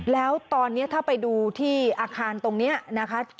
แล้วตอนนี้ถ้าไปดูที่อาคารตรงนี้นะคะ